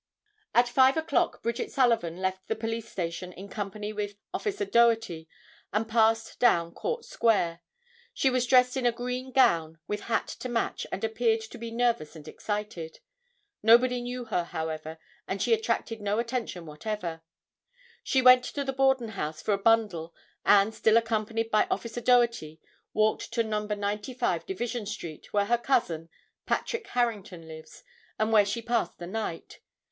At 5 o'clock Bridget Sullivan left the police station in company with Officer Doherty and passed down Court Square. She was dressed in a green gown with hat to match and appeared to be nervous and excited. Nobody knew her, however, and she attracted no attention whatever. She went to the Borden house for a bundle and, still accompanied by Officer Doherty, walked to No. 95 Division street, where her cousin, Patrick Harrington lives, and where she passed the night.